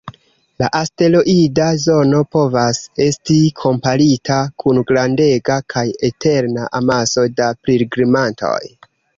La asteroida zono povas esti komparita kun grandega kaj eterna amaso da pilgrimantoj.